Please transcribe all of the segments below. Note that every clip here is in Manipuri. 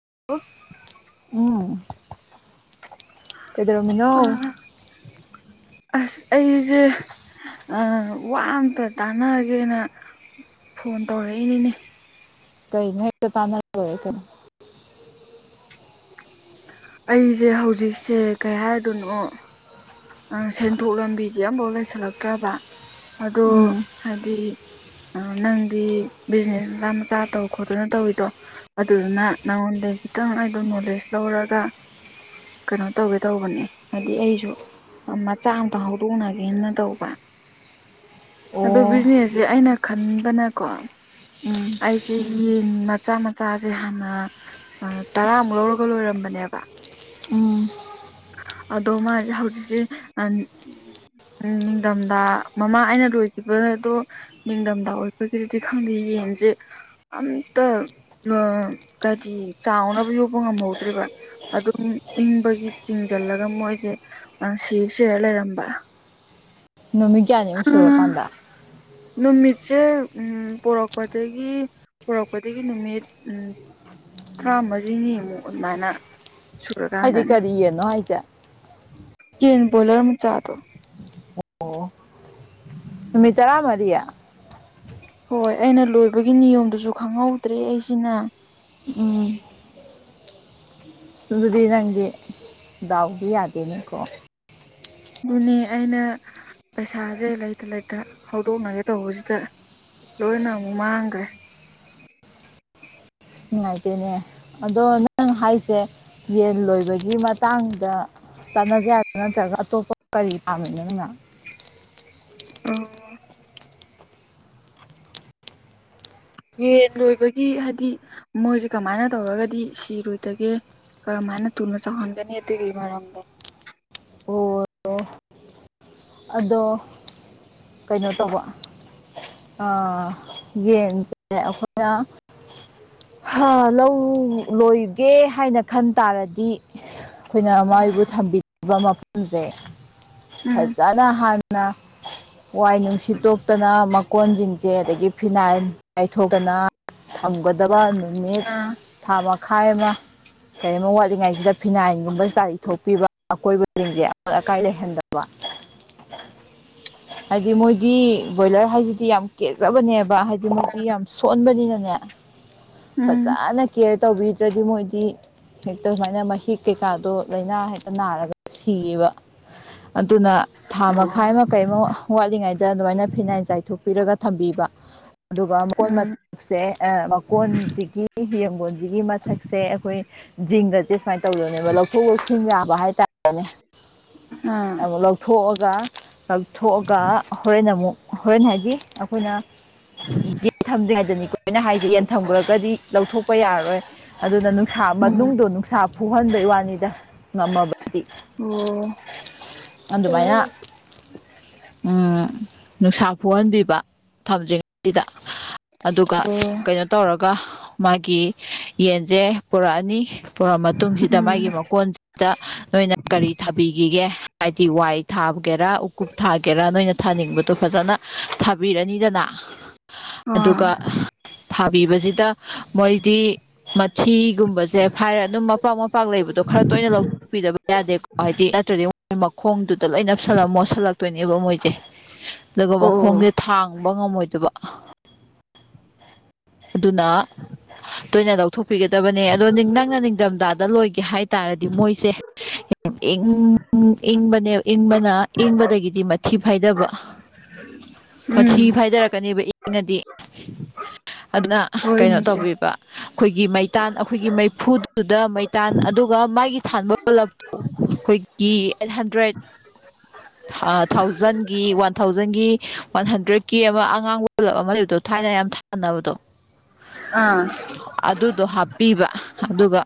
[unintelligible] ꯀꯩꯗꯧꯔꯝꯃꯤꯅꯣ ꯑ ꯑꯁ ꯑꯩꯖꯦ ꯑ ꯋꯥ ꯑꯝꯇ ꯇꯥꯟꯅꯒꯦꯅ ꯐꯣꯟ ꯇꯧꯔꯛꯏꯅꯤꯅꯦ ꯀꯩꯅꫭ ꯍꯦꯛꯇ [unintelligible] ꯑꯩꯖꯦ ꯍꯧꯖꯤꯛꯁꯦ ꯀꯩ ꯍꯥꯏꯗꯣꯏꯅꯣ ꯑ‌ ꯁꯦꯟꯊꯣꯛ ꯂꯝꯕꯤꯖꯦ ꯑꯝꯕꯥꯎ ꯂꯩꯁꯜꯂꯛꯇ꯭ꯔꯕ ꯑꯗꯣ ꯎꯝ ꯍꯥꯏꯗꯤ ꯅꯪꯗꯤ ꯕꯤꯖꯤꯅꯦꯁ ꯃꯆꯥ ꯃꯆꯥ ꯇꯧ ꯈꯣꯠꯇꯅ ꯇꯧꯋꯤꯗꯣ ꯑꯗꯨꯗꯨꯅ ꯅꯪꯉꯣꯟꯗ [unintelligible] ꯈꯤꯇꯪ ꯑꯩꯗꯣ ꯅꯣꯂꯦꯁ ꯂꯧꯔꯒ ꯀꯩꯅꯣ ꯇꯧꯒꯦ ꯇꯧꯕꯅꯦ ꯍꯥꯏꯗꯤ ꯑꯩꯁꯨ ꯃꯆꯥ ꯑꯝꯇ ꯍꯧꯗꯣꯛꯅꯒꯦꯅ ꯇꯧꯕ ꯑꯗꫭ ꯑꯣ ꯕꯤꯖꯤꯅꯦꯁꯁꯦ ꯑꯩꯅ ꯈꯟꯕꯅꯀꯣ ꯎꯝ ꯑꯩꯁꯦ ꯌꯦꯟ ꯃꯆꯥ ꯃꯆꯥꯖꯦ ꯍꯥꯟꯅ ꯇꯔꯥꯃꯨꯛ ꯂꯧꯔꯒ ꯂꯣꯏꯔꯝꯕꯅꯦ ꯕ ꯎꯝ ꯑꯗꯣ ꯃꯥꯖꯦ ꯍꯧꯖꯤꯛꯁꯦ [unintelligible] ꯎꯝ ꯅꯤꯡꯗꯝꯗꯥ ꯃꯃꯥ ꯑꯩꯅ ꯂꯣꯏꯒꯤꯕ ꯑꯗꯣ ꯅꯤꯡꯗꯝꯗꯥ ꯑꯣꯏꯕꯒꯤꯗꯨꯗꯤ ꯈꯪꯗꯦ ꯌꯦꯟꯖꯦ ꯑꯝꯇ [unintelligible] ꯍꯥꯏꯗꯤ ꯆꯥꯎꯅꯕ ꯌꯣꯛꯄ ꯉꯝꯍꯧꯗ꯭ꯔꯦꯕ ꯑꯗꯨꯝ ꯏꯪꯕꯒꯤ ꯆꯤꯡ ꯖꯜꯂꯒ ꯃꯣꯏꯖꯦ ꯑ ꯁꯤꯔ ꯁꯤꯔ ꯂꯩꯔꯝꯕ ꯅꯨꯃꯤꯠ ꯀꯌꯥꯅꯤꯃꯨꯛ ꯁꯨꯔꯀꯥꯟꯗ ꯅꯨꯃꯤꯠꯁꯦ ꯎꯝ ꯄꯣꯔꯛꯄꯗꯒꯤ ꯄꯨꯔꯛꯄꯗꯒꯤ ꯅꯨꯃꯤꯠ ꯎꯝ ꯇ꯭ꯔꯥꯃꯔꯤꯅꯤ ꯑꯃꯨꯛ ꯑꯗꯨꯝꯃꯥꯏꯅ ꯍꯥꯏꯗꯤ ꯀꯔꯤ ꯌꯦꯟꯅꯣ ꯍꯥꯏꯖꯦ ꯀꯤꯟꯕꯣꯂꯔ ꯃꯆꯥꯥꯗꯣ ꯅꯨ ꯃꯤꯇ ꯇꯔꯥ ꯃꯔꯤ ꯍꯣꯏ ꯑꯩꯅ ꯂꯣꯏꯕꯒꯤ ꯅꯤꯌꯣꯝꯗꯨꯁꯨ ꯈꯪꯍꯧꯗ꯭ꯔꯦ ꯑꯩꯁꯤꯅ [inaudible] ꯎꯝ ꯑꯗꯨꯗꯤ ꯅꯪꯗꯤ ꯗꯥꯎꯗꯤ ꯌꯥꯗꯦꯅꯤꯀꯣ ꯑꯗꯨꯅꯦ ꯑꯩꯅ ꯄꯩꯁꯥꯁꯦ ꯂꯩꯇ ꯂꯩꯇ ꯍꯧꯗꯣꯛꯅꯒꯦ ꯇꯧꯕꯁꯤꯗ ꯂꯣꯏꯅ ꯑꯃꯨꯛ ꯃꯥꯡꯈ꯭ꯔꯦ ꯅꯨꯡꯉꯥꯏꯇꯦꯅꯦ ꯑꯗꯣ ꯅꯪ ꯍꯥꯏꯁꯦ ꯌꯦꯟ ꯂꯣꯏꯕꯒꯤ ꯃꯇꯥꯡꯗ ꯇꯥꯟꯅꯖꯦ ꯍꯥꯏꯕ ꯅꯠꯇ꯭ꯔꯒ ꯑꯇꯣꯞꯄ ꯀꯔꯤ ꯄꯥꯝꯃꯤꯅꯣ ꯅꯪꯅ ꯑ ꯌꯦꯟ ꯂꯣꯏꯕꯒꯤ ꯍꯥꯏꯗꯤ ꯃꯣꯏꯁꯦ ꯀꯃꯥꯏꯅ ꯇꯧꯔꯒꯗꯤ ꯁꯤꯔꯣꯏꯗꯒꯦ ꯀꯔꯝ ꯍꯥꯏꯅ ꯊꯨꯅ ꯆꯍꯟꯒꯅꯤꯒꯤ ꯑꯗꯨꯒꯤ ꯃꯔꯝꯗ ꯑꯣ ꯑꯗꯣ ꯀꯩꯅꯣ ꯇꯧꯕ ꯑ ꯌꯦꯟꯁꯦ ꯑꯩꯈꯣꯏꯅ ꯍꯥ ꯂꯧ ꯂꯣꯏꯒꯦ ꯍꯥꯏꯅ ꯈꯟ ꯇꯥꯔꯗꯤ ꯑꯩꯈꯣꯏꯅ ꯃꯥꯏꯕꯨ ꯊꯝꯕꯤꯕ ꯃꯐꯝꯁꯦ ꯎꯝ ꯐꯖꯅ ꯍꯥꯟꯅ ꯋꯥꯏ ꯅꯨꯡꯁꯤꯠꯇꯣꯛꯇꯅ ꯀꯣꯟꯁꯤꯡꯁꯦ ꯑꯗꯒꯤ ꯐꯤꯅꯥꯏꯜ ꯌꯥꯥꯏꯊꯣꯛꯇꯅ ꯊꯝꯒꯗꯕ ꯅꯨꯃꯤꯠ ꯑꯥ ꯊꯥ ꯃꯈꯥꯏ ꯑꯃ ꯀꯔꯤꯒꯨꯝꯕ ꯋꯥꯠꯂꯤꯉꯥꯏꯁꯤꯗ ꯐꯤꯅꯥꯏꯟꯒꯨꯝꯕ ꯆꯥꯛ ꯏꯊꯣꯛꯄꯤꯕ ꯑꯀꯣꯏꯕꯁꯤꯡꯁꯦ ꯑꯃꯣꯠ ꯑꯀꯥꯏ ꯂꯩꯍꯟꯗꯕ [unintelligible] ꯍꯥꯏꯗꯤ ꯃꯣꯏꯗꯤ ꯕꯣꯏꯂꯔ ꯍꯥꯏꯁꯤꯗꯤ ꯌꯥꯝ ꯀꯦꯖꯕꯅꯦꯕ ꯍꯥꯏꯗꯤ ꯃꯣꯏꯗꯤ ꯌꯥꯝ ꯁꯣꯟꯕꯅꯤꯅꯅꯦ ꯎꯝ ꯐꯖꯅ ꯀꯦꯌꯔ ꯇꯧꯕꯤꯗ꯭ꯔꯗꯤ ꯃꯣꯏꯗꯤ ꯍꯦꯛꯇ ꯁꯨꯃꯥꯏꯅ ꯃꯍꯤꯛ ꯀꯩꯀꯥꯗꯣ ꯂꯥꯏꯅꯥ ꯍꯦꯛꯇ ꯅꯥꯔꯒ ꯁꯤꯌꯦꯕ ꯑꯗꯨꯅ ꯊꯥ ꯑꯣ ꯃꯈꯥꯏ ꯑꯃ ꯀꯩꯃ ꯋꯥꯠꯂꯤꯉꯩꯗ ꯑꯗꯨꯃꯥꯏꯅ ꯐꯤꯅꯥꯏꯟ ꯆꯥꯏꯊꯣꯛꯄꯤꯔꯒ ꯊꯝꯕꯤꯕ ꯑꯗꯨꯒ ꯃꯀꯣꯟ ꯎꯝ ꯃꯇꯛꯁꯦ ꯑ ꯃꯀꯣꯟꯁꯤꯒꯤ ꯌꯦꯡꯒꯣꯟꯁꯤꯒꯤ ꯃꯊꯛꯁꯦ ꯑꯩꯈꯣꯏ ꯖꯤꯡꯒꯁꯦ ꯁꯨꯃꯥꯏꯅ ꯇꯧꯗꯣꯏꯅꯦꯕ ꯂꯧꯊꯣꯛ ꯂꯧꯁꯤꯟ ꯌꯥꯕ ꯍꯥꯏꯇꯥꯔꯦꯅꯦ ꯑꯥ ꯑꯃꯨꯛ ꯂꯧꯊꯣꯛꯑꯒ ꯀꯛꯊꯣꯛꯑꯒ ꯍꯣꯔꯦꯟ ꯑꯃꯨꯛ ꯍꯣꯔꯦꯟ ꯍꯥꯏꯗꯤ ꯑꯩꯈꯣꯏꯅ ꯌꯦꯟ ꯊꯝꯗꯔꯤ ꯉꯥꯏꯗꯅꯤꯀꯣ ꯑꯩꯈꯣꯏꯅ ꯍꯥꯏꯗꯤꯦ ꯌꯦꯟꯊꯝꯈꯨꯔꯒꯗꯤ ꯂꯧꯊꯣꯛꯄ ꯌꯥꯔꯔꯣꯏ ꯑꯗꯨꯅ ꯅꯨꯡꯁꯥ ꯎꯝ ꯃꯅꯨꯡꯗꯣ ꯅꯨꯡꯁꯥ ꯐꯨꯍꯟꯕꯩ ꯋꯥꯅꯤꯗ ꯉꯝꯃꯕ ꯑꯣ ꯑꯗꯨꯃꯌꯥ ꯎꯝ ꯅꯨꯡꯁꯥ ꯐꯨꯍꯟꯕꯤꯕ ꯊꯝꯗ꯭ꯔꯤꯉꯩꯁꯤꯗ ꯑꯗꯨꯒ ꯑꯣ ꯀꯩꯅꯣ ꯇꯧꯔꯒ ꯃꯥꯒꯤ ꯌꯦꯟꯁꯦ ꯄꯨꯔꯛꯑꯅꯤ ꯄꯨꯔꯛꯑ ꯃꯇꯨꯡ ꯃꯇꯨꯡꯁꯤꯗ ꯎꯝ ꯃꯥꯒꯤ ꯃꯀꯣꯟꯁ ꯅꯣꯏꯅ ꯀꯔꯤ ꯊꯥꯕꯤꯈꯤꯒꯦ ꯍꯥꯏꯗꯤ ꯋꯥꯏ ꯊꯥꯕꯒꯦꯔꯥ ꯎꯀꯨꯞ ꯊꯥꯒꯦꯔꯥ ꯅꯣꯏꯅ ꯊꯥꯅꯤꯡꯕꯗꯣ ꯐꯖꯅ ꯊꯥꯕꯤꯔꯅꯤꯗꯅ ꯑꯣ ꯑꯗꯨꯒ ꯊꯥꯕꯤꯕꯁꯤꯗ ꯃꯣꯏꯗꯤ ꯃꯊꯤꯒꯨꯝꯕꯁꯦ ꯐꯥꯏꯔꯦ ꯑꯗꯨꯝ ꯃꯄꯥꯛ ꯃꯄꯥꯛ ꯂꯩꯕ ꯈꯔ ꯇꯣꯏꯅ ꯂꯧꯊꯣꯛꯄꯤꯗꯕ ꯌꯥꯗꯦꯀꯣ ꯍꯥꯏꯗꯤ ꯅꯠꯇ꯭ꯔꯗꯤ ꯃꯈꯣꯡꯗꯨꯗ ꯂꯣꯏ ꯅꯞꯁꯜꯂ ꯃꯣ ꯁꯜꯂꯛꯇꯣꯏꯅꯦ ꯝ ꯑꯣꯏꯖꯦ [inaudible] ꯑꯗꯨꯒ ꯑꯣ ꯃꯈꯣꯡꯁꯦ ꯊꯥꯡꯕ ꯉꯝꯃꯣꯏꯗꯕ ꯑꯗꯨꯅ ꯇꯣꯏꯅ ꯂꯧꯊꯣꯛꯄꯤꯒꯗꯕꯅꯦ ꯑꯗꯣ ꯅꯪꯅ ꯅꯤꯡꯗꯝꯗꯥꯗ ꯂꯣꯏꯒꯦ ꯍꯥꯏꯇꯥꯔꯗꯤ ꯃꯣꯏꯁꯦ ꯏꯪ ꯏꯪꯕꯅꯦ ꯏꯪꯕꯅ ꯏꯪꯕꯗꯒꯤꯗꯤ ꯃꯊꯤ ꯐꯥꯏꯗꯕ [unintelligible] ꯃꯊꯤ ꯐꯥꯏꯗꯔꯛꯀꯅꯦꯕ ꯏꯪꯉꯗꯤ ꯑꯗꯨꯅ ꯀꯩꯅꯣ ꯍꯣꯏꯅꯤꯁꯦ ꯇꯧꯕꯤꯕ ꯑꯈꯣꯏꯒꯤ ꯃꯩꯇꯥꯟ ꯑꯩꯈꯣꯏꯒꯤ ꯃꯩꯐꯨꯗꯨꯗ ꯃꯩꯇꯥꯟ ꯑꯗꯨꯒ ꯃꯥꯒꯤ ꯊꯥꯟꯕ ꯕꯂꯞꯇꫭ [unintelligible] ꯑꯩꯠ ꯍꯟꯗ꯭ꯔꯦꯠ ꯊꯥꯎꯖꯟꯒꯤ ꯋꯥꯟ ꯊꯥꯎꯖꯟꯒꯤ ꯋꯥꯟ ꯍꯟꯗ꯭ꯔꯦꯠꯀꯤ ꯑꯃ ꯑꯉꯥꯡꯕ ꯕꯂꯞ ꯑꯃ ꯂꯩꯕꯗꯣ ꯊꯥꯏꯅ ꯌꯥꯝ ꯊꯥꯟꯅꯕꯗꯣ ꯑꯥ ꯑꯗꯨꯗꯣ ꯍꯥꯞꯄꯤꯕ ꯑꯗꯨꯒ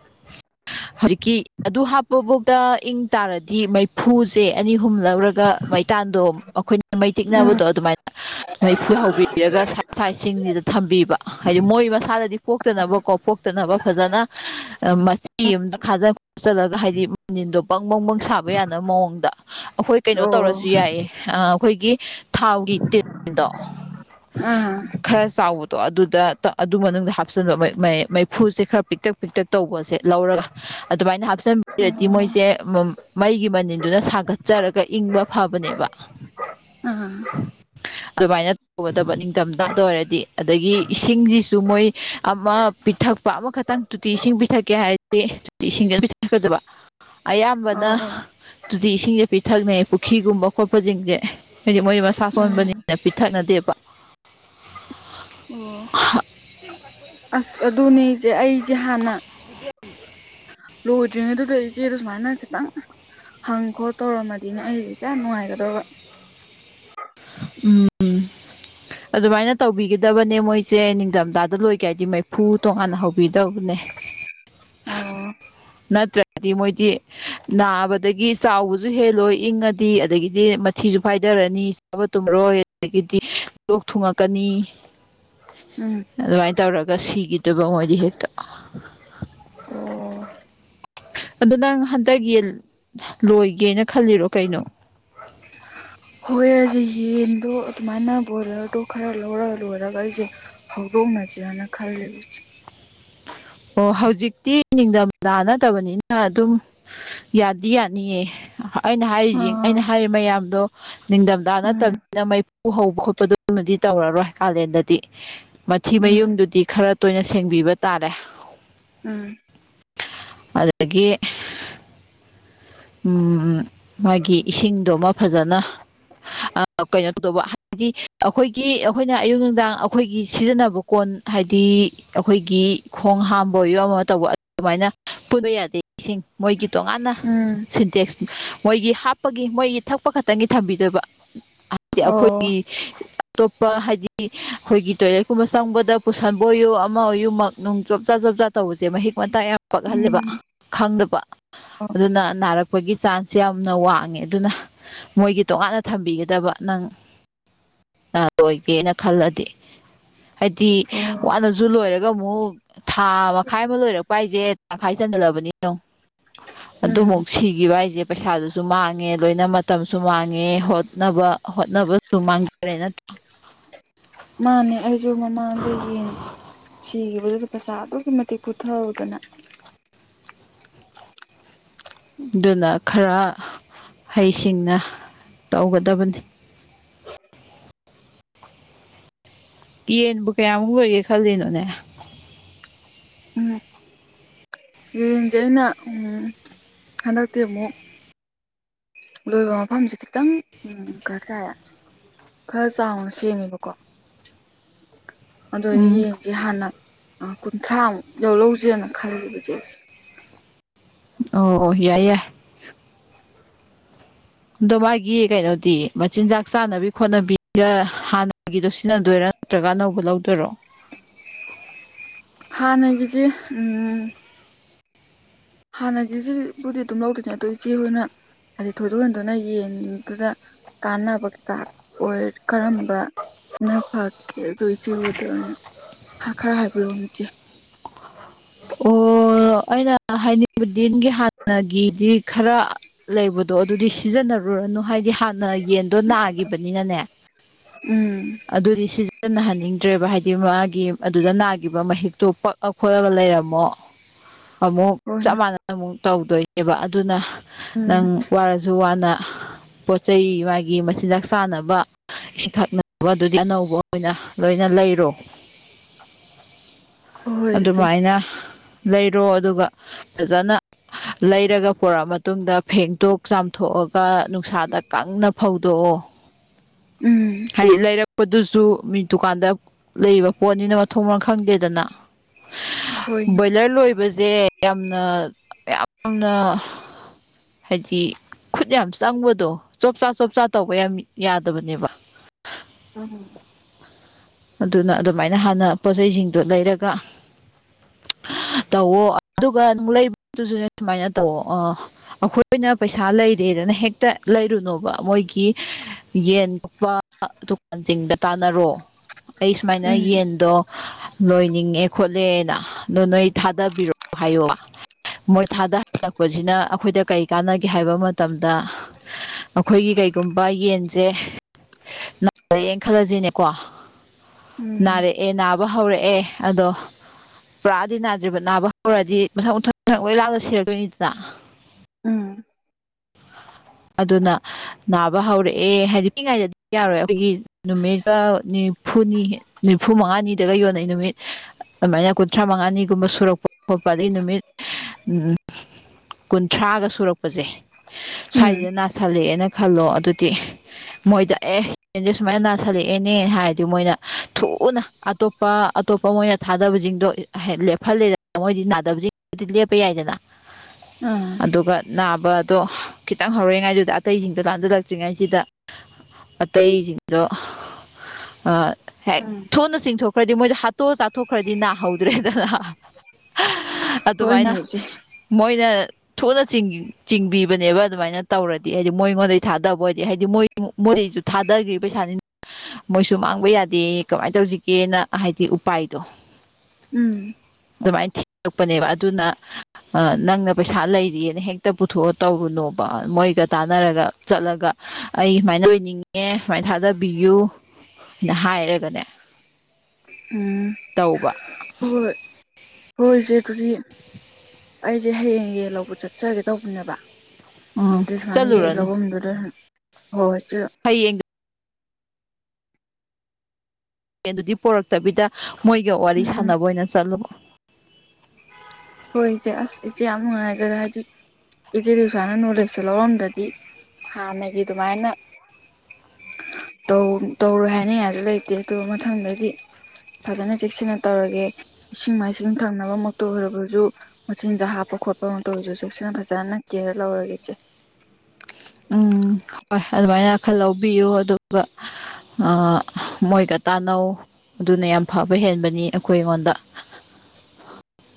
[inaudible] ꯍꯧꯖꯤꯛꯀꯤ ꯑꯗꯨ ꯍꯥꯞꯄ ꯕꫭꯛꯇ ꯏꯪ ꯇꯥꯔꯗꯤ ꯃꯩꯐꯨꯁꯦ ꯑꯅꯤ ꯑꯍꯨꯝ ꯂꯧꯔꯒ ꯃꯩꯇꯥꯟꯗꯣ ꯑꯈꯣꯏꯅ ꯃꯩ ꯎꯝ ꯇꯤꯛꯅꯕꯗꯣ ꯑꯗꯨꯃꯥꯏꯅ ꯃꯩꯐꯨ ꯍꯧꯕꯤ ꯔꯒ ꯁꯥꯏꯠ ꯁꯥꯏꯠꯁꯤꯡꯖꯤꯗ ꯊꯝꯕꯤꯕ ꯍꯥꯏꯗꯤ ꯃꯣꯏ ꯃꯁꯥꯗꯗꯤ ꯄꯣꯛꯇꯅꯕꯀꯣ ꯄꯣꯛꯇꯅꯕ ꯐꯖꯅ ꯃꯆꯤ ꯑꯝꯗ ꯈꯥꯖ ꯈꯣꯆꯜꯂꯒ ꯍꯥꯏꯗꯤ ꯃꯅꯤꯟꯗꯣ ꯕꯪ ꯕꯪ ꯕꯪ ꯁꯥꯕ ꯌꯥꯅꯕ ꯃꯋꫭꯡꯗ ꯑꯈꯣꯏ ꯀꯩꯅꯣ ꯑꯣ ꯇꯧꯔꯁꯨ ꯌꯥꯏꯌꯦ ꯑ‌‌ ꯑꯈꯣꯏꯒꯤ ꯊꯥꯎꯒꯤ ꯇꯤꯟꯗꯣ ꯑ ꯈꯔ ꯆꯥꯎꯕꯗꯣ ꯑꯗꯨꯗ [unintelligible] ꯑꯗꯨ ꯃꯅꯨꯡꯗ ꯍꯥꯞꯆꯟꯕ [unintelligible] ꯃꯩꯐꯨꯁꯦ ꯈꯔ ꯄꯤꯛꯇꯛ ꯄꯤꯛꯇꯛ ꯇꯧꯕ ꯁꯦ ꯂꯩꯔꯒ ꯑꯗꯨꯝꯃꯥꯏꯅ ꯑꯣ ꯍꯥꯞꯆꯟꯕꯤꯔꯗꯤ ꯃꫭꯏꯖꯦ ꯃꯩꯒꯤ ꯃꯅꯤꯟꯗꯨꯅ ꯁꯥꯒꯠꯆꯔꯒ ꯏꯪꯕ ꯐꯕꯅꯦꯕ ꯑꯗꯨꯃꯥꯏꯅ ꯑꯥ ꯇꯧꯒꯗꯕ ꯅꯤꯡꯗꯝꯗꯥꯗ ꯑꯣꯏꯔꯗꯤ ꯑꯗꯒꯤ ꯏꯁꯤꯡꯁꯤꯁꯨ ꯃꯣꯏ ꯑꯃ ꯄꯤꯊꯛꯄ ꯑꯃꯈꯛ ꯇꯪ ꯇꯣꯇꯤ ꯏꯁꯤꯡ ꯄꯤꯊꯛꯀꯦ ꯍꯥꯏꯔꯗꯤ ꯇꯣꯇꯤ ꯏꯁꯤꯡꯖꯦ ꯑꯗꯨꯝ ꯄꯤꯊꯛꯀꯗꯕ ꯑꯌꯥꯝꯕꯅ ꯑꯣ ꯇꫭꯇꯤ ꯏꯁꯤꯡꯖꯦ ꯄꯤꯊꯛꯅꯩ ꯄꯨꯈꯤꯒꯨꯝꯕ ꯈꯣꯠꯄꯖꯤꯡꯖꯦ ꯍꯥꯏꯗꯤ ꯃꯣꯏ ꯃꯁꯥ ꯎꯝ ꯁꯣꯟꯕꯅꯤꯅ ꯄꯤꯊꯛꯅ ꯗꯦꯕ ꯑꯣ [unintelligible] ꯑꯁ ꯑꯗꯨꯅꯦ ꯏꯆꯦ ꯑꯩꯖꯦ ꯍꯥꯟꯅ ꯂꯣꯏꯗ꯭ꯔꯤꯉꯩꯗꯨꯗ ꯏꯆꯦꯗ ꯁꯨꯝꯃꯥꯏꯅ ꯈꯤꯇꯪ ꯍꯪ ꯈꯣꯠ ꯇꯧꯔꯝꯃꯗꯤꯅ ꯑꯩꯗꯤ ꯀꯌꯥ ꯅꯨꯡꯉꯥꯏꯒꯗꯕ ꯎꯝ ꯑꯗꯨꯝꯃꯥꯏꯅ ꯇꯧꯕꯤꯒꯗꯕꯅꯦ ꯃꯣꯏꯖꯦ ꯅꯤꯡꯗꯝꯗꯥꯗ ꯂꯣꯏꯒꯦ ꯍꯥꯏꯗꯤ ꯃꯩꯐꯨ ꯇꯣꯡꯉꯥꯟꯅ ꯍꯧꯕꯤꯗꯧꯕ ꯅꯦ ꯑꯣ ꯅꯠꯇ꯭ꯔꯗꯤ ꯃꯣꯏꯗꯤ ꯅꯥꯕꯗꯒꯤ ꯆꯥꯎꯕꯖꯨ ꯍꯦꯜꯂꯣꯏ ꯏꯪꯉꯗꯤ ꯑꯗꯒꯤꯗꯤ ꯃꯊꯤꯖꯨ ꯐꯥꯏꯗꯔꯅꯤ ꯆꯥꯕ ꯇꯨꯝꯃꯔꯣꯏ ꯑꯗꯒꯤꯗꯤ ꯂꯣꯛ ꯊꯨꯡꯉꯛꯀꯅꯤ ꯎꯝ ꯑꯗꯨꯃꯥꯏꯅ ꯇꯧꯔꯒ ꯁꯤꯒꯤꯗꫭꯏꯕ ꯃꯣꯏꯗꯤ ꯍꯦꯛꯇ [inaudible] ꯑꯗꫭ ꯅꯪ ꯍꯟꯗꯛ ꯌꯦꯟ ꯂꯣꯏꯒꯦꯅ ꯈꯜꯂꯤꯔꯣ ꯀꯩꯅꯣ ꯍꫭ ꯍꯣꯏ ꯑꯩꯖꯦ ꯌꯦꯟꯗꯣ ꯑꯗꯨꯝꯃꯥꯏꯅ ꯕꯣꯏꯂꯔꯗꯣ ꯈꯔ ꯂꯧꯔ ꯂꯣꯏꯔꯒ ꯑꯩꯖꯦ ꯍꯧꯗꯣꯛꯅꯁꯤ ꯔꯅ ꯈꯜꯂꯤꯕ ꯑꯣ ꯍꯧꯖꯤꯛꯇꯤ ꯏꯡꯗꯝꯗꯥ ꯅꯠꯇꯕꯅꯤꯅ ꯑꯗꯨꯝ ꯌꯥꯗꯤ ꯌꯥꯅꯤꯌꯦ ꯑꯩꯅ ꯍꯥꯏꯔꯤꯖꯤ ꯑꯥ ꯑꯩꯅ ꯍꯥꯏꯔꯤ ꯃꯌꯥꯝꯗꯣ ꯅꯤꯡꯗꯝꯗꯥ ꯎꯝ ꯅꯠꯇꯝꯅꯤꯅ ꯃꯩ ꯐꯨ ꯍꯧꯕ ꯈꯣꯠꯄꯗꯨꯃꯗꯤ ꯇꯧꯔꯔꯣꯏ ꯀꯥꯂꯦꯟꯗꯗꯤ ꯃꯊꯤ ꯎꯝ ꯃꯌꯨꯡꯗꯨꯗꯤ ꯈꯔ ꯇꯣꯏꯅ ꯁꯦꯡꯕꯤꯕ ꯇꯥꯔꯦ ꯎꯝ ꯑꯗꯒꯤ ꯎꯝ ꯃꯥꯒꯤ ꯏꯁꯤꯡꯗꯨꯃ ꯐꯖꯅ ꯑ ꯀꯩꯅꯣ ꯇꯧꯗꯧꯕ ꯍꯥꯏꯗꯤ ꯑꯈꯣꯏꯒꯤ ꯑꯈꯣꯏꯅ ꯑꯌꯨꯛ ꯅꯨꯡꯗꯥꯡ ꯑꯈꯣꯏꯒꯤ ꯁꯤꯖꯤꯟꯅꯕ ꯀꯣꯟ ꯍꯥꯏꯗꯤ ꯑꯈꯣꯏꯒꯤ ꯈꯣꯡ ꯍꯥꯝꯕ ꯑꯣꯢꯌꯣ ꯑꯃꯃ ꯇꯧꯕ ꯑꯗꯨꯃꯥꯏꯅ ꯄꯨꯟꯕ ꯌꯥꯗꯦ ꯢꯁꯤ ꯢꯪ ꯃꯣꯏꯒꯤ ꯇꯣꯉꯥꯟꯅ ꯎꯝ ꯁꯤꯟꯇꯦꯛꯁ ꯃꯣꯏꯒꯤ ꯍꯥꯞꯄꯒꯤ ꯃꯣꯏꯒꯤ ꯊꯛꯄ ꯈꯛꯇꯪꯒꯤ ꯊꯝꯕꯤꯗꯣꯏꯕ ꯍꯥꯏꯕꯗꯤ ꯑꯣ ꯑꯈꯣꯏꯒꯤ ꯑꯇꯣꯞꯄ ꯍꯥꯏꯗꯤ ꯑꯈꯣꯏꯒꯤ ꯇꯣꯏꯂꯦꯠꯀꯨꯝꯕ ꯆꯪꯕꯗ ꯄꯨꯁꯟꯕ ꯑꯣꯏꯌꯨ ꯑꯃ ꯑꯣꯏꯌꯨ ꯃꯛ ꯅꯨꯡ ꯆꯣꯞ ꯆꯥ ꯆꯣꯞ ꯆꯥ ꯇꯧꯕꯖꯦ ꯃꯍꯤꯛ ꯃꯇꯥꯏ ꯌꯥꯝ ꯄꯛꯍꯜꯂꯦꯕ ꯎꯝ ꯈꯪꯗꯕ ꯑꯣ ꯑꯗꯨꯅ ꯅꯥꯔꯛꯄꯒꯤ ꯆꯥꯟꯁ ꯌꯥꯝꯅ ꯋꯥꯡꯉꯦ ꯑꯗꯨꯅ ꯃꯣꯏꯒꯤ ꯇꯣꯉꯥꯟꯅ ꯊꯝꯕꯤꯒꯗꯕ ꯅꯪ [inaudible] [unintelligible] ꯂꯣꯏꯒꯦꯅ ꯈꯜꯂꯗꯤ ꯍꯥꯏꯗꯤ ꯑꯣ ꯋꯥꯅꯖꯨ ꯂꯣꯏꯔꯒ ꯑꯃꯨꯛ ꯊꯥ ꯃꯈꯥꯏ ꯑꯃ ꯂꯣꯏꯔꯛꯄ ꯍꯥꯏꯖꯦ ꯊꯥꯈꯥꯏ ꯆꯟꯖꯜꯂꯕꯅꯤ ꯌꯣꯡ ꯎꯝ ꯄꯤꯕ ꯍꯥꯏꯖꯦ ꯄꯩꯁꯥꯗꯨꯁꯨ ꯃꯥꯡꯉꯦ ꯂꯣꯏꯅ ꯃꯇꯝꯁꯨ ꯃꯥꯡꯉꯦ ꯍꯣꯠꯅꯕ ꯍꯣꯠꯅꯕꯖꯨ ꯃꯥꯡꯖ ꯔꯦ ꯅꯠꯇ꯭ꯔꯥ ꯃꯥꯅꯦ ꯑꯩꯖꯨ ꯃꯃꯥꯡꯗ ꯌꯦꯟ ꯁꯤꯒꯤꯕꯗꯨ ꯄꯩꯁꯥ ꯑꯗꯨꯛꯀꯤ ꯃꯇꯤꯛ ꯄꯨꯠꯊꯍꯧꯗꯅ ꯑꯗꯨꯅ ꯈꯔ ꯍꯩꯁꯤꯡꯅ ꯇꯧꯒꯗꯕꯅꯤ [inaudible] ꯌꯦꯟꯕꯨ ꯀꯌꯥꯃꯨꯛ ꯂꯣꯏꯒꯦ ꯈꯜꯂꯤꯅꯣꯅꯦ ꯌꯦꯟꯖꯦ ꯑꯩꯅ ꯎꯝ ꯍꯟꯗꯛꯇꯤ ꯑꯃꯨꯛ ꯂꯣꯏꯕ ꯃꯐꯝꯖꯦ ꯈꯤꯇꯪ ꯎꯝ ꯈ ꯆꯥꯏꯌꯦ ꯈꯔ ꯆꯥꯎꯅ ꯁꯦꯝꯃꯦꯕꯀꯣ ꯑꯗꯨꯗꯗꯤ ꯎꯝ ꯌꯦꯟꯖꯦ ꯍꯥꯟꯅ ꯑꯥ ꯀꯨꯟꯊ꯭ꯔꯥꯃꯨꯛ ꯂꯧ ꯂꯧꯖꯤꯔꯥꯅ ꯈꯜꯂꯤꯌꯦꯕ ꯆꯦꯠꯁꯦ ꯑꯣ ꯑꯣ ꯌꯥꯏ ꯌꯥꯢ ꯑꯗꯣ ꯃꯥꯒꯤ ꯀꯩꯅꯣꯗꯤ ꯃꯆꯤꯟꯖꯥꯛ ꯆꯥꯅꯕꯤ ꯈꯣꯠꯅꯕꯤꯒ ꯍꯥꯟꯅꯒꯤꯗꯣ ꯁꯤꯖꯤꯟꯅꯗꯣꯏꯔꯥ ꯅꯠꯇ꯭ꯔꯒ ꯑꯅꯧꯕ ꯂꯧꯗꯣꯏꯔꯣ ꯍꯥꯟꯅꯒꯤꯖꯦ ꯎꯝ ꯍꯥꯟꯅꯒꯤꯖꯤꯕꯨꯗꯤ ꯗꯨꯝ ꯂꯧꯗꯨꯅꯦ ꯑꯗꯨ ꯏꯆꯦ ꯍꯣꯏꯅ ꯍꯥꯏꯗꯤ ꯊꯣꯏꯗꯣꯛ ꯍꯦꯟꯗꯣꯛꯅ ꯌꯦꯟꯗꯨꯗ ꯀꯥꯟꯅꯕ ꯀꯩꯀꯥ ꯑꯣꯏꯔꯗꯤ ꯀꯔꯝꯕ [unintelligible] [inaudible] ꯑꯣ ꯑꯣ ꯑꯩꯅ ꯍꯥꯏꯅꯤꯡꯕꯗꯤꯝꯒꯤ ꯍꯥꯟꯅꯒꯤꯗꯤ ꯈꯔ ꯂꯩꯕꯗꯣ ꯑꯗꯨꯗꯤ ꯁꯤꯖꯤꯟꯅ ꯔꯨꯔꯅꯨ ꯍꯥꯏꯗꯤ ꯍꯥꯟꯅ ꯌꯦꯟꯗꯣ ꯅꯥꯒꯤꯕꯅꯤꯅꯅꯦ ꯎꯝ ꯑꯗꯨꯗꯤ ꯁꯤꯖꯤꯟꯅꯍꯟꯅꯤꯡꯗ꯭ꯔꯦꯕ ꯍꯥꯏ ꯗꯤ ꯃꯥꯒꯤ ꯑꯗꯨꯗ ꯅꯥꯒꯤꯕ ꯃꯍꯤꯛꯇꯣ ꯄꯛꯑ ꯈꯣꯠꯂꯒ ꯂꯩꯔꯝꯃꯣ ꯑꯃꯨꯛ ꯍꯣꯏꯅꯦ ꯆꯞ ꯃꯥꯟꯅꯅ ꯑꯃꯨꯛ ꯇꯧꯗꯣꯏꯅꯦꯕ ꯑꯗꯨꯅ ꯎꯝ ꯅꯪ ꯋꯥꯔꯖꯨ ꯋꯥꯅ [inaudible] ꯄꯣꯠ ꯆꯩ ꯃꯥꯒꯤ ꯃꯆꯤꯟꯖꯥꯛ ꯆꯥꯅꯕ ꯏꯁꯤꯡ ꯊꯛꯅꯕꯗꯨꯗꯤ ꯑꯅꯧꯕ ꯑꯣꯏꯅ ꯂꯣꯏꯅ ꯂꯩꯔꯣ [inaudible] ꯏꯆꯦ ꯑꯗꯨꯃꯥꯏꯅ ꯂꯩꯔꯣ ꯑꯗꯨꯒ ꯐꯖꯅ ꯂꯩꯔꯒ ꯄꯨꯔꯛꯑ ꯃꯇꯨꯡꯗ ꯐꯦꯡꯇꯣꯛ ꯆꯥꯝꯊꯣꯛꯑꯒ ꯅꯨꯡꯁꯥꯗ ꯀꯪꯅ ꯐꯧꯗꯣꯛꯑꯣ ꯎꯝ ꯄꯗꯨꯁꯨ ꯃꯤ ꯗꯨꯀꯥꯟꯗ ꯂꯩꯔꯤꯕ ꯄꯣꯠꯅꯤꯅ ꯃꯊꯣꯡ ꯃꯔꯝ ꯈꯪꯗꯦꯗꯅꯥ ꯍꯣꯏꯅꯦ ꯕꯣꯢꯂꯔ ꯂꯣꯏꯕ ꯖꯦ ꯌꯥꯝꯅ ꯌꯥꯝꯅ ꯍꯥꯏꯗꯤ ꯈꯨꯠ ꯌꯥꯝ ꯆꯪꯕꯗꯣ ꯆꯣꯞꯆꯥ ꯆꯣꯞꯆꯥ ꯇꯧꯕ ꯌꯥꯝ ꯌꯥꯗꯕꯅꯦꯕ [inaudible] ꯎꯝ ꯑꯗꯨꯅ ꯑꯗꯨꯃꯥꯏꯅ ꯍꯥꯟꯅ ꯄꯣꯠꯆꯩ ꯖꯤꯡꯗꯣ ꯂꯩꯔꯒꯥ [inaudible] ꯇꯧꯋꯣ ꯑꯗꯨꯒ ꯅꯪ ꯂꯩꯕꯗꯨꯖꯨꯅꯦ ꯁꯨꯃꯥꯏꯅ ꯇꯧꯋꯣ ꯑ ꯑꯈꯣꯏꯅ ꯄꯩꯁꯥ ꯂꯩꯔꯦ ꯔꯦꯗꯅ ꯍꯦꯛꯇ ꯂꯩꯔꯨꯅꯣꯕ ꯃꯣꯏꯒꯤ ꯌꯦꯟ ꯀꯛꯄ ꯗꯨꯀꯥꯟꯖꯤꯡꯗ ꯇꯥꯟꯅꯔꯣ ꯑꯩ ꯁꯨꯃꯥꯏꯅ ꯎꯝ ꯌꯦꯟꯗꯣ ꯂꯣꯏꯅꯤꯡꯉꯦ ꯈꯣꯠ ꯂꯦꯅ ꯗꯣ ꯅꯣꯏ ꯊꯥꯗꯕꯤꯔꯛꯑꯣ ꯍꯥꯏꯌꯣ ꯃꯣꯏ ꯊꯥꯗ ꯍꯜꯂꯛꯄꯖꯤꯅ ꯑꯈꯣꯏꯗ ꯀꯩ ꯀꯥꯟꯅꯒꯦ ꯍꯥꯏꯕ ꯃꯇꯝꯗ ꯑꯈꯣꯏꯒꯤ ꯀꯩꯒꯨꯝꯕ ꯌꯦꯟꯖꯦ ꯅꯥꯔꯛꯑꯦꯟ ꯈꯜꯂꯖꯤꯅꯦꯀꯣ ꯎꯝ ꯅꯥꯔꯛꯑꯦ ꯅꯥꯕ ꯍꯧꯔꯛꯑꯦ ꯑꯗꯣ ꯄꯨꯔꯥꯗꯤ ꯅꯥꯗ꯭ꯔꯤꯕ ꯅꯥꯕ ꯍꯧꯔꯗꯤ ꯃꯊꯪ ꯃꯊꯪꯊꯪ ꯂꯣꯏ ꯂꯥꯛꯂ ꯁꯤꯔꯗꯣꯏꯅꯤꯗꯅ ꯎꯝ ꯑꯗꯨꯅ ꯅꯥꯕ ꯍꯧꯔꯛꯑꯦ ꯍꯥꯏꯗꯤ ꯄꯤꯛꯢꯉꯥꯏꯗꯗꯤ ꯌꯥꯔꯣꯏ ꯑꯈꯣꯏꯒꯤ ꯅꯨꯃꯤꯠꯀ ꯅꯤꯔ ꯅꯤꯝꯐꯨꯅꯤ ꯅꯤꯝꯐꯨ ꯃꯉꯥꯅꯤꯗꯒ ꯌꯣꯟꯅꯩ ꯅꯨꯃꯤꯠ ꯑꯗꯨꯃꯥꯏꯅ ꯀꯨꯟꯊ꯭ꯔꯥ ꯃꯉꯥꯅꯤꯒꯨꯝꯕ ꯁꯨꯔꯛꯄ ꯈꯣꯠꯄ ꯑꯗꯒꯤ ꯅꯨꯃꯤꯠ ꯎꯝ ꯀꯨꯟꯊ꯭ꯔꯥꯒ ꯁꯨꯔꯛꯄꯖꯦ ꯎꯝ ꯁ꯭ꯋꯥꯏꯖꯤꯗ ꯅꯥꯁꯜꯂꯛꯑꯦꯅ ꯈꯜꯂꯣ ꯑꯗꯨꯗꯤ ꯃꯣꯏꯗ ꯑꯦ ꯌꯦꯟꯖꯦ ꯁꯨꯃꯥꯏꯅ ꯅꯥꯁꯤꯜꯂꯛꯑꯦꯅꯦ ꯍꯥꯏꯔꯗꯤ ꯃꯣꯏꯅ ꯊꯨꯅ ꯑꯇꯣꯞꯄ ꯑꯇꯣꯞꯄ ꯃꯣꯏꯅ ꯊꯥꯗꯕꯖꯤꯡꯗꯣ ꯑꯍꯦ ꯂꯦꯞꯍꯜꯂꯦꯗꯅ ꯃꯣꯏꯗꯤ ꯅꯥꯗꯕꯖꯤꯡ ꯗꯨꯗꯤ ꯂꯦꯞꯄ ꯌꯥꯏꯗꯅ ꯑ ꯑꯗꯨꯒ ꯅꯥꯕꯗꯣ ꯈꯤꯇꯪ ꯍꯧꯔꯛꯏꯉꯥꯢꯗꯨꯗ ꯑꯇꯩꯖꯤꯡꯗꯨꯗ ꯂꯥꯟꯖꯜꯂꯛꯇ꯭ꯔꯤꯉꯥꯢꯁꯤꯗ ꯑꯇꯩꯖꯤꯡꯗꯣ ꯑ ꯍꯦꯛ ꯎꯝ ꯊꯨꯅ ꯆꯤꯡꯊꯣꯛ ꯈꯔꯗꯤ ꯃꯣꯏꯗꯣ ꯍꯥꯠꯇꯣꯛꯑ ꯆꯥꯊꯣꯛꯈ꯭ꯔꯗꯤ ꯅꯥꯍꯧꯗ꯭ꯔꯦꯗꯅ ꯍꯣꯏꯅꯦ ꯑꯗꯨꯃꯥꯏꯅ ꯏꯆꯦ ꯃꯣꯏꯅ ꯊꯨꯅ ꯆꯤꯡꯒꯤ ꯆꯤꯡꯕꯤꯕꯅꯦꯕ ꯑꯗꯨꯃꯥꯏꯅ ꯇꯧꯔꯗꯤ ꯍꯥꯏꯗꯤ ꯃꯣꯏꯉꯣꯟꯗꯩ ꯊꯥꯗꯕ ꯑꯣꯏꯔꯗꯤ ꯍꯥꯏꯗꯤ ꯃꯣꯏ ꯃꯣꯏꯗꯩꯖꯨ ꯊꯥꯗꯒ꯭ꯔꯤ ꯄꯩꯁꯥꯅꯤꯅ ꯃꯣꯏꯁꯨ ꯃꯥꯡꯕ ꯌꯥꯗꯦ ꯀꯃꯥꯏ ꯇꯧꯁꯤꯒꯦꯅ ꯍꯥꯏꯗꯤ ꯎꯄꯥꯏꯗꯣ ꯎꯝ ꯑꯗꯨꯃꯥꯏꯟ ꯊꯤꯔꯛꯄꯅꯦꯕ ꯑꯗꯨꯅ ꯑ ꯅꯪꯅ ꯄꯩꯁꯥ ꯂꯩꯔꯦꯅ ꯍꯦꯛꯇ ꯄꯨꯊꯣꯛꯑ ꯇꯧꯔꯨꯅꯣ ꯕ ꯃꯣꯏꯒ ꯇꯥꯟꯅꯔꯒ ꯆꯠꯂꯒ ꯑꯩ ꯁꯨꯃꯥꯏꯅ ꯑꯣꯏꯅꯤꯡꯉꯦ ꯁꯨꯃꯥꯏ ꯊꯥꯗꯕꯤꯌꯨ ꯅ ꯍꯥꯏꯔꯒꯅꯦ ꯎꯝ ꯇꯧꯕ ꯍꯣꯏ ꯍꯣꯏ ꯢꯆꯦ ꯗꯨꯗꯤ ꯑꯩꯖꯦ ꯍꯌꯦꯡ ꯌꯦꯜ ꯂꯧꯕ ꯆꯠꯆꯒꯦ ꯇꯧꯕꯅꯦꯕ ꯎꯝ ꯑꯗꯨꯗ ꯁꯨꯃꯥꯏꯅ ꯌꯦꯟ ꯆꯠꯂꯨꯔꯅꯨ ꯂꯧꯕꯝꯗꯨꯗ ꯁꯨꯝ ꯍꯣꯏ ꯢꯆꯦ ꯍꯌꯦꯡ ꯌꯦꯟꯗꯨꯗꯤ ꯄꯣꯔꯛꯇꯕꯤꯗ ꯃꯣꯏꯒ ꯋꯥꯔꯤ ꯎꯝ ꯁꯥꯟꯅꯕ ꯑꯣꯏꯅ ꯆꯠꯂꯨ ꯍꯣꯏ ꯏꯆꯦ ꯑꯁ ꯏꯆꯦ ꯌꯥꯝ ꯅꯨꯡꯉꯥꯏꯖꯔꯦ ꯍꯥꯏꯗꯤ ꯏꯆꯦꯗꯒꯤ ꯁꯨꯃꯥꯏꯅ ꯅꯣꯂꯦꯖꯁꯦ ꯂꯧꯔꯝꯗ꯭ꯔꯗꯤ ꯍꯥꯟꯅꯒꯤ ꯗꯨꯃꯥꯏꯅ ꯇꯧ ꯇꯧꯔꯣꯏ ꯍꯥꯏꯅꯤꯡꯉꯥꯏꯖꯨ ꯂꯩꯇꯦ ꯑꯗꫭ ꯃꯊꯪꯗꯒꯤ ꯐꯖꯅ ꯆꯦꯛꯁꯤꯟꯅ ꯇꯧꯔꯒꯦ ꯏꯁꯤꯡ ꯃꯥꯏꯁꯤꯡ ꯊꯛꯅꯕ ꯃꯛꯇ ꯑꯣꯏꯔꯕ ꯖꯨ ꯃꯆꯤꯟꯖꯥꯛ ꯍꯥꯞꯄ ꯈꯣꯠꯄ ꯃꯛꯇꯑꯣꯏꯖꯨ ꯆꯦꯛꯁꯤꯟꯅ ꯐꯖꯅ ꯀꯤꯌꯔ ꯂꯧꯔꯒꯦ ꯏꯆꯦ ꯎꯝ ꯍꯣꯏ ꯑꯗꯨꯃꯥꯏꯅ ꯈꯔ ꯂꯧꯕꯤꯌꯨ ꯑꯗꯨꯒ ꯑꯥ ꯃꯣꯏꯒ ꯇꯥꯟꯅꯧ ꯑꯗꯨꯅ ꯌꯥꯝ ꯐꯕ ꯍꯦꯟꯕꯅꯤ ꯑꯩꯈꯣꯏ ꯉꯣꯟꯗ [inaudible]